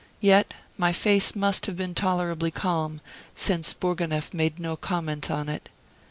Yet my face must have been tolerably calm, since Bourgonef made no comment on it.